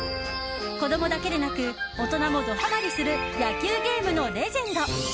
子供だけでなく大人もドハマリする野球ゲームのレジェンド。